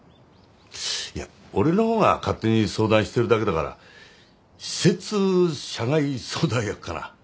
いや俺の方が勝手に相談してるだけだから私設社外相談役かな。